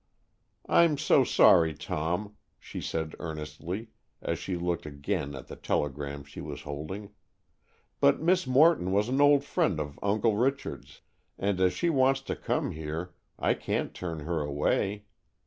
"I'm so sorry, Tom," she said earnestly, as she looked again at the telegram she was holding, "but Miss Morton was an old friend of Uncle Richard's, and as she wants to come here I can't turn her away.